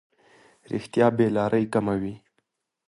رښتیا بې لارۍ کموي.